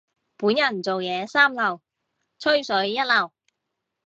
本人做嘢三流，吹水一流。